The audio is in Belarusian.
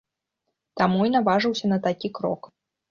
Таму і наважыўся на такі крок.